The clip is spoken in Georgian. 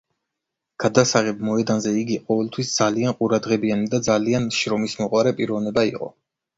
გადასაღებ მოედანზე იგი ყოველთვის ძალიან ყურადღებიანი და ძალიან შრომისმოყვარე პიროვნება იყო.